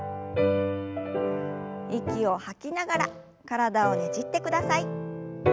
息を吐きながら体をねじってください。